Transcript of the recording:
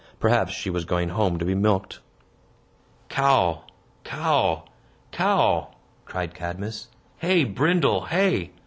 Perhaps she was going home to be milked. "Cow, cow, cow!" cried Cadmus. "Hey, Brindle, hey!